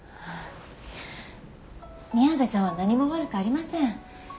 宮部さんは何も悪くありません。